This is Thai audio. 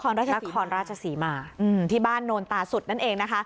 ราชนครราชศรีมาที่บ้านโนนตาสุดนั่นเองนะคะ